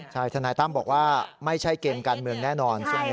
ใช่ทนายตั้มบอกว่าไม่ใช่เกมการเมืองแน่นอนช่วงนี้